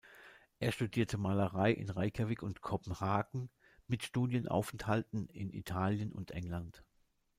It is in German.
Er studierte Malerei in Reykjavík und Kopenhagen mit Studienaufenthalten in Italien und England.